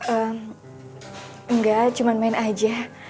ehm enggak cuman main aja